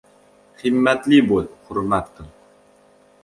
— Himmatli bo‘l, hurmat qil!